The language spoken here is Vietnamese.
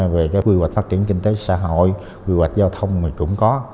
về quy hoạch phát triển kinh tế xã hội quy hoạch giao thông cũng có